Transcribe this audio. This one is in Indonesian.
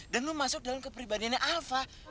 dan lu masuk dalam kepribadiannya alva